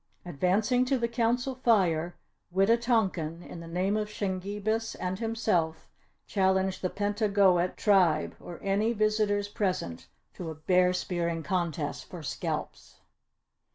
Advancing to the Council Fire Wita tonkan, in the name of Shingebis and himself challenged the Pentagoet Tribe or any visitors present, to a Bear Spearing Contest for scalps!